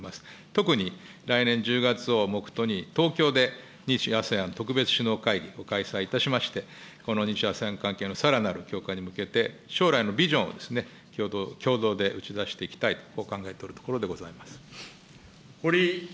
特に来年１０月を目途に、東京で日ＡＳＥＡＮ特別首脳会議を開催いたしまして、この日ＡＳＥＡＮ関係のさらなる強化に向けて、将来のビジョンを共同で打ち出していきたい、こう考えておるところでございます。